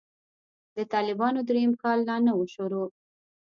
د طالبانو درېيم کال لا نه و شروع.